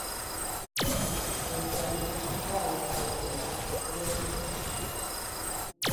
Ninsalinim di bɔri Naawuni nyabu, bɛ mi kutooi